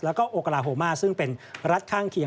แล้วก็โอกาลาโฮมาซึ่งเป็นรัฐข้างเคียง